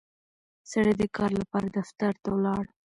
سړی د کار لپاره دفتر ته ولاړ